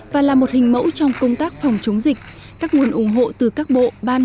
và là một hình mẫu trong công tác phòng chống dịch các nguồn ủng hộ từ các bộ ban